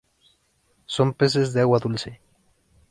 Son peces de agua dulce.